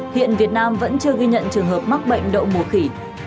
hiện việt nam vẫn chưa ghi nhận trường hợp mắc bệnh đậu mùa khỉ